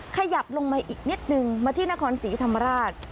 ขยับลงมาอีกนิดนึงมาที่นครศรีธรรมราช